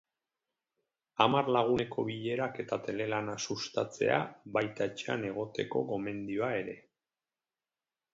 Hamar laguneko bilerak eta telelana sustatzea, baita etxean egoteko gomendioa ere.